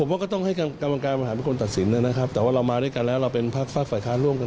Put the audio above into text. โอกาสในตอนนี้เท่าที่เรารู้แล้วแนวน้องที่เราจะจัดมือกับพระเก้าไกรเป็นมากเท่าไหร่ไหมครับ